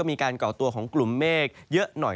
มีการเกาะตัวของกลุ่มเมฆเยอะหน่อย